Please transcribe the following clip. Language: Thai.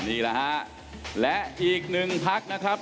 นี่แหละฮะและอีกหนึ่งพักนะครับ